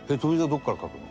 どこから描くの？